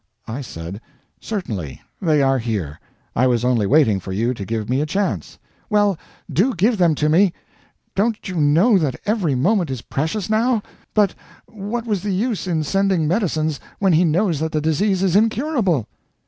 I said: "Certainly. They are here. I was only waiting for you to give me a chance." "Well do give them to me! Don't you know that every moment is precious now? But what was the use in sending medicines, when he knows that the disease is incurable?"